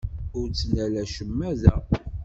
Ur ttnal acemma da.